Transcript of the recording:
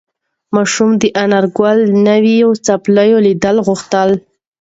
ماشوم د انارګل نوې څپلۍ لیدل غوښتل.